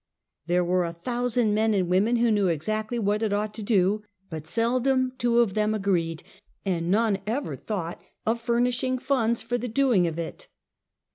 Tliere were a thousand men and women, who knew exactly what it ought to do; but seldom two of them agreed, and none ever thought of furnishing funds for the doing of it.